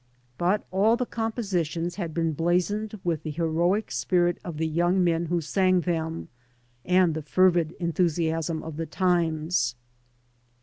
But all of the compositions had been blazoned with the heroic spirit of the young men who sang them and the fervid enthusiasm of the times.